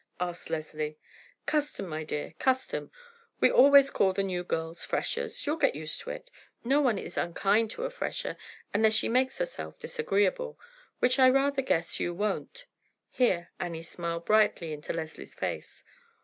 asked Leslie. "Custom, my dear—custom. We always call the new girls freshers; you'll get used to it. No one is unkind to a fresher unless she makes herself disagreeable, which I rather guess you won't." Here Annie smiled brightly into Leslie's face.